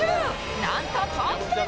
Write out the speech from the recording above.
なんと、トップに！